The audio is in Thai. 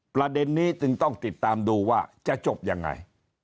ประเด็นนี้จึงต้องติดตามดูว่าจะจบยังไง